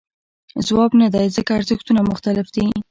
ځواب نه دی ځکه ارزښتونه مختلف دي.